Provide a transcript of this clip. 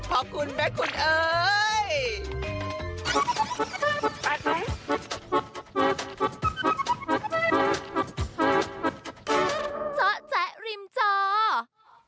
ขอบคุณแม่คุณเอ๋ย